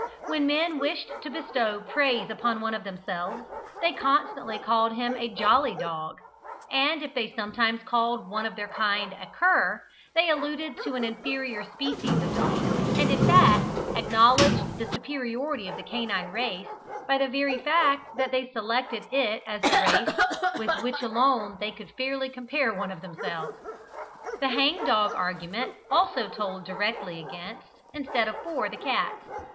When men wished to bestow praise upon one of themselves, they constantly called him a "jolly dog;" and if they sometimes called one of their own kind a "cur," they alluded to an inferior species of dog, and in fact acknowledged the superiority of the canine race by the very fact that they selected it as the race with which alone they could fairly compare one of themselves. The "hang dog" argument also told directly against, instead of for, the cats.